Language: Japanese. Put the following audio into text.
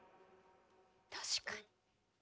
確かに。